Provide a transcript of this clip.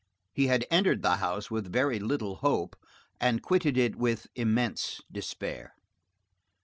He had entered the house with very little hope, and quitted it with immense despair.